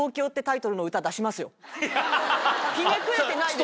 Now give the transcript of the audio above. ひねくれてないです。